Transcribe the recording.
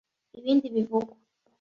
Ibindi bivugwa